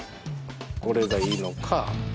これがいいのか。